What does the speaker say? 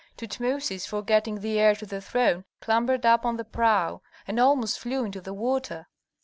Tutmosis, forgetting the heir to the throne, clambered up on the prow, and almost flew into the water.